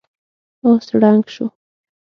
آس ړنګ شو.